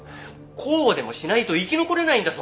こうでもしないと生き残れないんだぞ！